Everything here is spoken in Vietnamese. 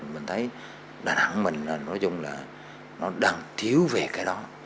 mình thấy đà nẵng mình nói chung là nó đang thiếu về cái đó